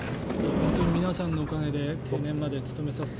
本当に皆さんのおかげで定年まで勤めて。